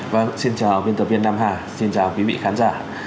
vâng xin chào biên tập viên nam hà xin chào quý vị khán giả